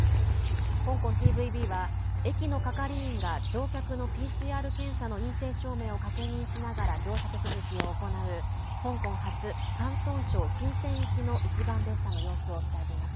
香港ＴＶＢは、駅の係員が乗客のＰＣＲ検査の陰性証明を確認しながら乗車手続きを行う香港発、広東省深セン行きの一番列車の様子を伝えています。